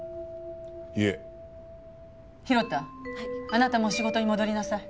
あなたもう仕事に戻りなさい。